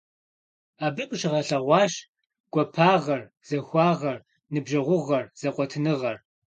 Абы къыщыгъэлъэгъуащ гуапагъэр, захуагъэр, ныбжьэгъугъэр, зэкъуэтыныгъэр.